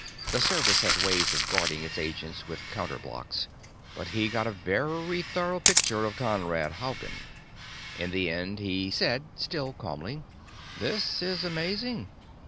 The Service had ways of guarding its agents with counter blocks. But he got a very thorough picture of Conrad Haugen. In the end he said, still calmly, "This is amazing.